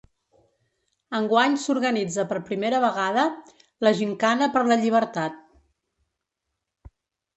Enguany s’organitza per primera vegada la ‘Gimcana per la Llibertat’.